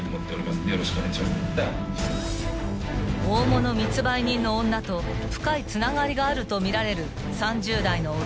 ［大物密売人の女と深いつながりがあるとみられる］